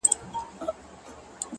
دا چې پۀ ونو بوټو يو بل وژني